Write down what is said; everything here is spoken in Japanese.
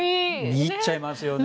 見入っちゃいますよね。